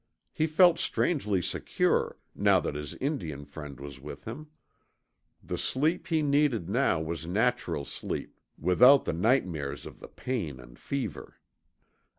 He felt strangely secure, now that his Indian friend was with him. The sleep he needed now was natural sleep without the nightmares of the pain and fever.